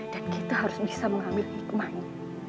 dan kita harus bisa mengambil nikmati